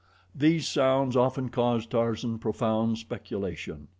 These sounds often caused Tarzan profound speculation.